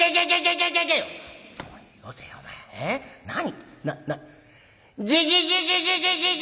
何。